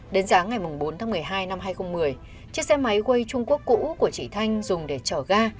đến giáng ngày bốn tháng một mươi hai năm hai nghìn một mươi chiếc xe máy quay trung quốc cũ của chị thanh dùng để chở gà